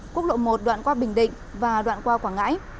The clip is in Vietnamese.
quốc lộ một đoạn qua bình định và đoạn qua quảng ngãi